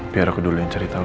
biar aku dulu yang cari tau ya